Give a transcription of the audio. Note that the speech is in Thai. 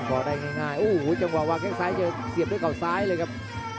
ขึ้นคอได้ง่ายอู้ยยจังหว่าก็ก็เสียบด้วยกล่าวซ้ายด้วยครับ